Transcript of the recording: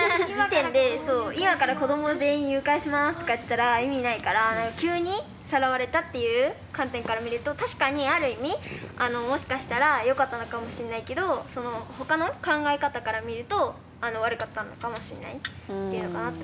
「今から子ども全員誘拐します」とか言ってたら意味ないから急にさらわれたっていう観点から見ると確かにある意味もしかしたらよかったのかもしんないけどその他の考え方から見ると悪かったのかもしんないっていうのかなと。